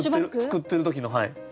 作ってる時のはい。